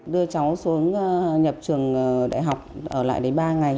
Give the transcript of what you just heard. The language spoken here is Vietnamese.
đưa cháu xuống nhập trường đại học ở lại đấy ba ngày